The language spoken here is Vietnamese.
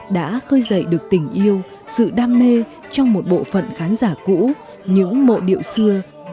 đã khơi dậy được tình yêu sự đam mê trong một bộ phận khán giả cũ những mộ điệu xưa